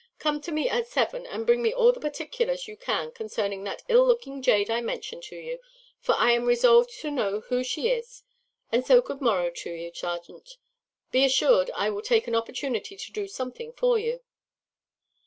Come to me at seven, and bring me all the particulars you can concerning that ill looking jade I mentioned to you, for I am resolved to know who she is. And so good morrow to you, serjeant; be assured I will take an opportunity to do something for you."